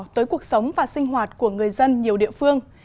tới cuộc sống và sinh hoạt của người dân nhiều địa phương